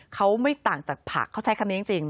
เขาไม่ต่างจากผักเขาใช้คำนี้จริง